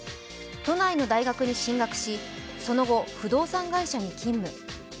都内の大学に進学しその後不動産会社に勤務。